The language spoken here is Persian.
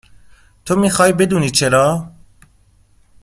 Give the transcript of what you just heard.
تو می خوای بدونی چرا ؟